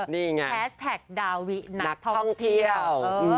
นี่ไงแฮสแท็กดาวินักท่องเที่ยว